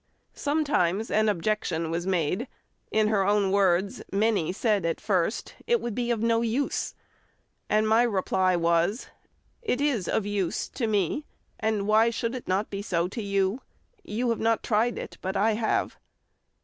Sometimes an objection was made. In her own words, "Many said at first, 'It would be of no use,' and my reply was, 'It is of use to me, and why should it not be so to you? You have not tried it, but I have.